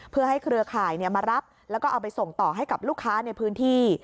เพื่อให้เครือข่ายมารับแล้วก็เอาไปส่งต่อให้กับลูกค้าในพื้นที่